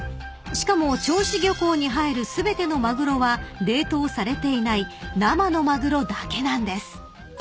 ［しかも銚子漁港に入る全てのマグロは冷凍されていない生のマグロだけなんです］